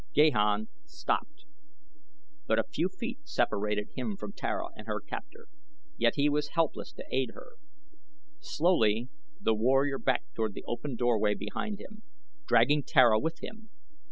Gahan stopped. But a few feet separated him from Tara and her captor, yet he was helpless to aid her. Slowly the warrior backed toward the open doorway behind him, dragging Tara with him.